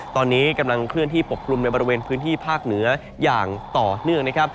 ตอนนี้กำลังเคลื่อนที่ปกกลุ่มในบริเวณพื้นที่ภาคเหนืออย่างต่อเนื่องนะครับ